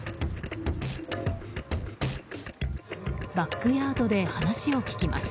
バックヤードで話を聞きます。